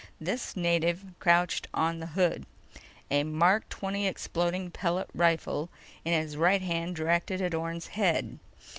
The native crouched on the hood, a Mark XX exploding pellet rifle in his right hand directed at Orne's head.